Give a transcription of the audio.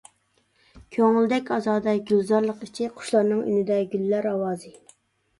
كۆڭۈلدەك ئازادە گۈلزارلىق ئىچى، قۇشلارنىڭ ئۈنىدە گۈللەر ئاۋازى.